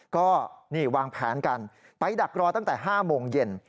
ก็นี่วางแผนกันไปดักรอตั้งแต่๕โมงเย็น